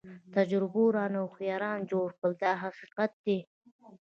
تجربو رانه هوښیاران جوړ کړل دا حقیقت دی.